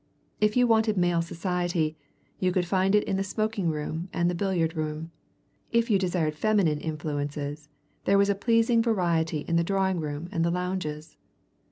If you wanted male society, you could find it in the smoking room and the billiard room; if you desired feminine influences there was a pleasing variety in the drawing room and the lounges.